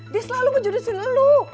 dia selalu ngejudesin lo